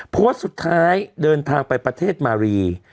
เพราะว่าสุดท้ายเดินทางไปประเทศมารี